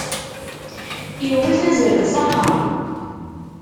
Iwwet azrem s aqeṛṛu.